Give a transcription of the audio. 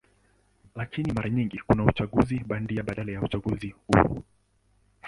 Lakini mara nyingi kuna uchaguzi bandia badala ya uchaguzi huru.